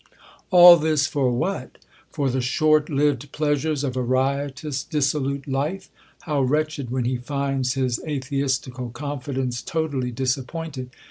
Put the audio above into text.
All this for what ? for the short lived pleasures of a riotous, dissolute life. How wretched, when he finds his atheistical confidence to tally disappointed